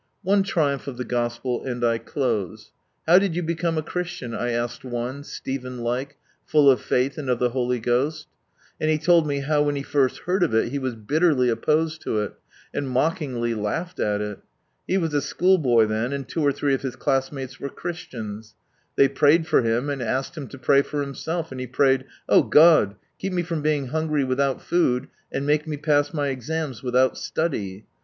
One triumph of the Gospel, and I close. "How did you become a Christian?" I asked one, Stephen like, "full of faith and of the Holy GhosL" And he told me how, when he first heard of it, he was bitterly opposed to it, and mockingly laughed at it. He was a schoolboy then, and two or three of hia class mates were Christians. They prayed for him, and asked him to pray for himself; and he prayed, " Oh ! God, keep me from being hungry without food, and make me pass my exams, without study."